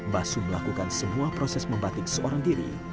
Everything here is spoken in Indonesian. basum melakukan semua proses membatik seorang diri